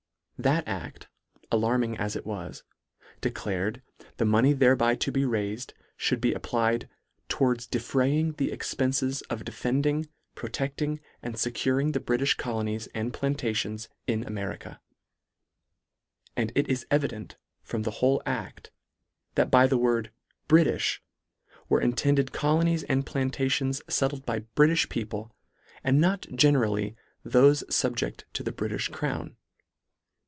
That acl, alarming as it was, declared, the money thereby to be raifed, mould be applied " towards defraying the expences " of defending, protecting and fecuring the " Britifh colonies and plantations in Ameri " ca :" And it is evident from the whole act, that by the word " Britifh " were in LETTER VIII. 81 tended colonies and plantations fettled by Britiih people, and not generally, thofe fub jecTt to the Britiih crown.